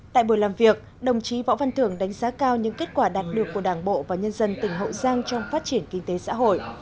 tại buổi làm việc đồng chí võ văn thưởng đánh giá cao những kết quả đạt được của đảng bộ và nhân dân tỉnh hậu giang trong phát triển kinh tế xã hội